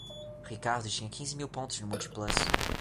Ricardo tinha quinze mil pontos no Multiplus.